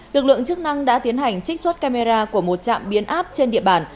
lực lượng chức năng đã tiến hành trích xuất camera của một trạm biến áp trên địa bàn